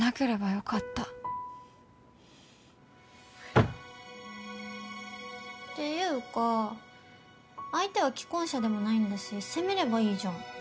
ゴン！っていうか相手は既婚者でもないんだし攻めればいいじゃん。